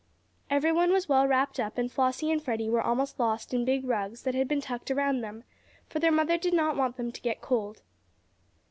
Everyone was well wrapped up, and Flossie and Freddie were almost lost in big rugs that had been tucked around them, for their mother did not want them to get cold.